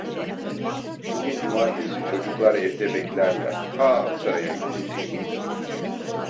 Bugün cumartesi, çocuklar evde beklerler… Ta Aksaray'a gideceğim…